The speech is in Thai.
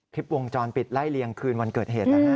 คลิปวงจรปิดไล่เลียงคืนวันเกิดเหตุนะฮะ